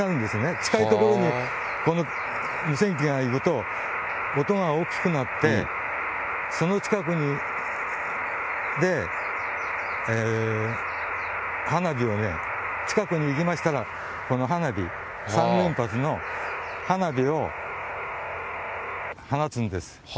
近い所にこの無線機がいくと、音が大きくなって、その近くで花火をね、近くに行きましたらこの花火、３連発の花火を放つんです。